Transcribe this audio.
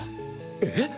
えっ！？